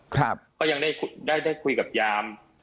ก็ยังได้ได้คุยกับยาม